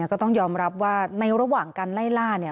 ก็ต้องยอมรับว่าในระหว่างการไล่ล่าเนี่ย